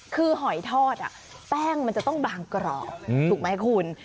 คือหอยทอดแป้งมันจะต้องบางกรอบถูกไหมคุณ